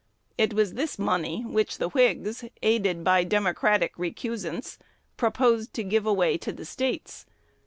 It was this money which the Whigs, aided by Democratic recusants, proposed to give away to the States.